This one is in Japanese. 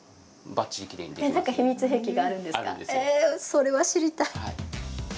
それは知りたい。